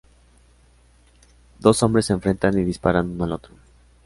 Dos hombres se enfrentan y disparan uno al otro.